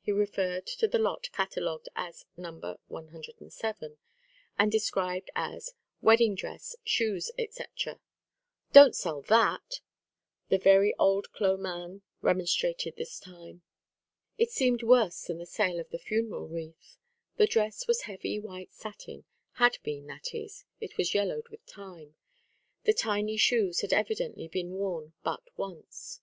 He referred to the lot catalogued as "No. 107," and described as "Wedding dress, shoes, etc." "Don't sell that!" The very old clo' man remonstrated this time. It seemed worse than the sale of the funeral wreath. The dress was heavy white satin had been, that is; it was yellowed with time. The tiny shoes had evidently been worn but once.